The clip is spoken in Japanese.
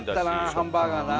ハンバーガーな。